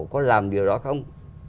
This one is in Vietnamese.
có làm điều đó không